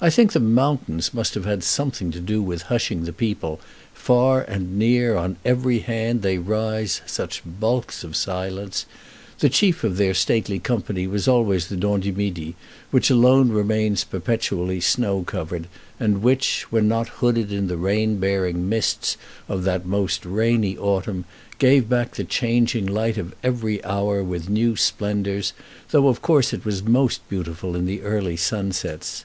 I think the mountains must have had something to do with hushing the people: far and near, on every hand, they rise such bulks of silence. The chief of their stately company was always the Dent du Midi, which alone remains perpetually snow covered, and which, when not hooded in the rain bearing mists of that most rainy autumn, gave back the changing light of every hour with new splendors, though of course it was most beautiful in the early sunsets.